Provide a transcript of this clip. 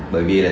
bởi vì là